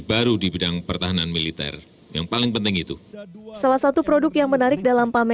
baru di bidang pertahanan militer yang paling penting itu salah satu produk yang menarik dalam